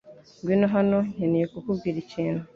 Ngwino hano .Nkeneye kukubwira ikintu .